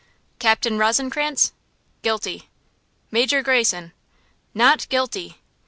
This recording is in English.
"Captain Rozencrantz?" "Guilty!" "Major Greyson?" "NOT GUILTY!"